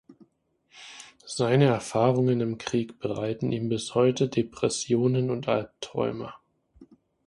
Seine Erfahrungen im Krieg bereiten ihm bis heute Depressionen und Albträume.